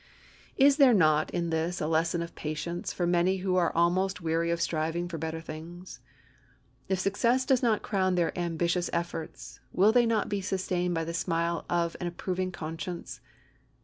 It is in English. Is there not in this a lesson of patience for many who are almost weary of striving for better things? If success does not crown their ambitious efforts, will they not be sustained by the smile of an approving conscience?